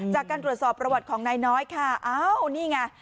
จากการตรวจสอบประวัติของนายน้อยค่ะอ้าวนี่ไง